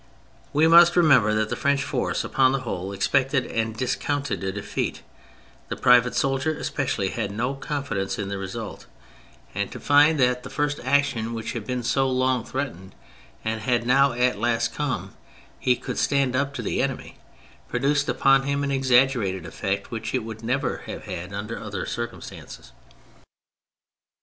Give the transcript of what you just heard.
We must remember that the French force upon the whole expected and discounted a defeat, the private soldier especially had no confidence in the result ; and to find that at F 162 THE FRENCH REVOLUTION the first action which had been so long threat ened and had now at last come, he could stand up to the enemy, produced upon him an exaggerated effect which it would never have had under other circumstances.